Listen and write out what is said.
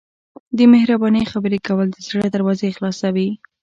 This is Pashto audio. د مهربانۍ خبرې کول د زړه دروازې خلاصوي.